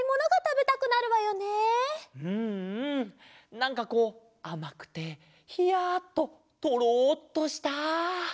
なんかこうあまくてひやっととろっとした。